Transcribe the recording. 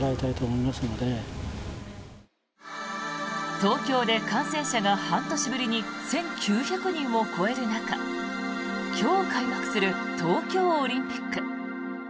東京で感染者が半年ぶりに１９００人を超える中今日開幕する東京オリンピック。